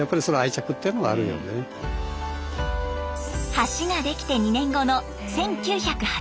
橋ができて２年後の１９８５年。